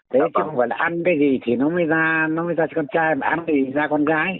nếu không còn ăn cái gì thì nó mới ra con trai mà ăn thì ra con gái